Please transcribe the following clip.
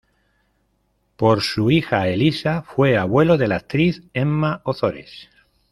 Por su hija Elisa fue abuelo de la actriz Emma Ozores.